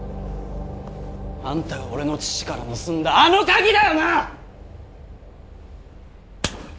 あんたが俺の父から盗んだあの鍵だよな！